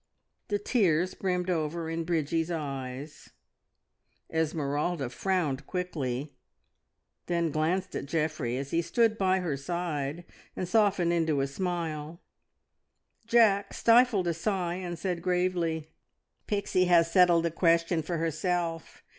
The tears brimmed over in Bridgie's eyes; Esmeralda frowned quickly, then glanced at Geoffrey, as he stood by her side, and softened into a smile. Jack stifled a sigh, and said gravely "Pixie has settled the question for herself.